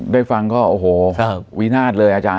ได้ฟังก็วินาศเลยอาจารย์